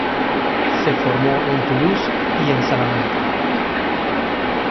Se formó en Toulouse y en Salamanca.